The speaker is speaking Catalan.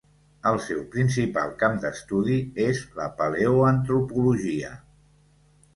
El seu principal camp d'estudi és la paleoantropologia.